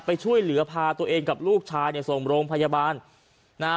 ไปช่วยเหลือพาตัวเองกับลูกชายเนี่ยส่งโรงพยาบาลนะฮะ